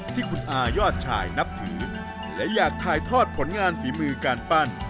ที่คุณอายอดชายนับถือและอยากถ่ายทอดผลงานฝีมือการปั้น